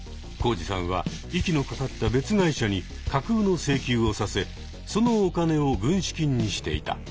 コウジさんは息のかかった別会社に架空の請求をさせそのお金を軍資金にしていた。